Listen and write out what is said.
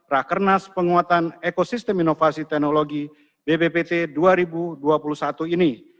rakernas penguatan ekosistem inovasi teknologi bbpt dua ribu dua puluh satu ini